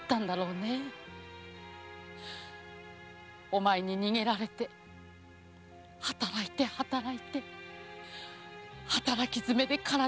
お前に逃げられて働いて働いて働きづめで体を壊して。